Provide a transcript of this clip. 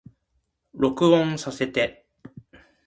録音させて